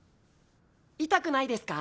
痛くないですか？